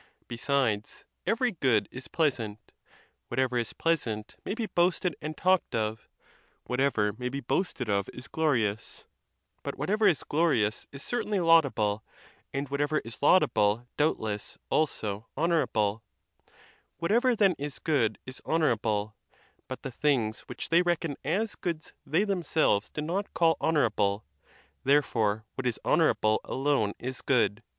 Besides, every good is pleasant ; whatever is pleasant may. be boasted and talked of ; whatever may be boasted of is glorious; but whatever is glorious is certainly laudable, and whatever is laudable doubtless, also, honorable: what ever, then, is good is honorable (but the things which they reckon as goods they themselves do not call honor able}; therefore what is honorable alone is good.